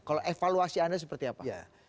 kalau evaluasi anda seperti apa